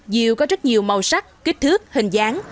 diều có rất nhiều màu sắc kích thước hình dáng